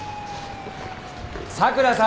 佐倉さん！